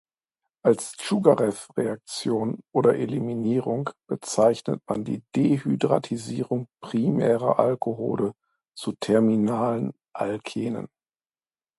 Als Tschugajew-Reaktion oder -Eliminierung bezeichnet man die Dehydratisierung primärer Alkohole zu terminalen Alkenen.